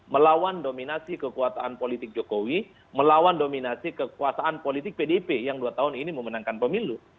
melawan dominasi kekuasaan politik jokowi melawan dominasi kekuasaan politik pdip yang dua tahun ini memenangkan pemilu